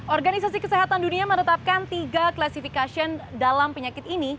organisasi kesehatan dunia menetapkan tiga klasifikasi dalam penyakit ini